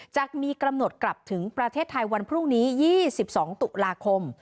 จะมีกำหนดกลับถึงประเทศไทยวันพรุ่งนี้๒๒ตุลาคม